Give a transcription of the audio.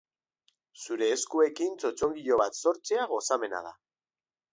Zure eskuekin txotxongilo bat sortzea gozamena da.